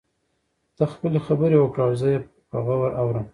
ته خپلې خبرې وکړه او زه يې په غور اورم.